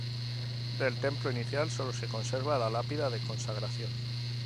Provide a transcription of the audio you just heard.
Del templo inicial sólo se conserva la lápida de consagración.